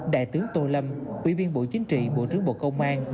đại tướng tô lâm ủy viên bộ chính trị bộ trưởng bộ công an